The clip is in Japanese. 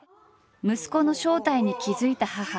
息子の正体に気付いた母。